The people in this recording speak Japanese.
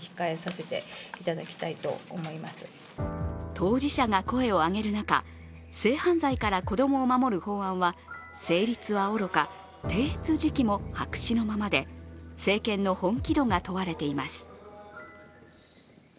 当事者が声を上げる中、性犯罪から子供を守る法案は成立はおろか、提出時期も白紙のままで政権の本気度が問われています。